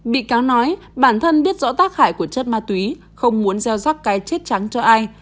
bị cáo nói bản thân biết rõ tác hại của chất ma túy không muốn gieo rắc cái chết trắng cho ai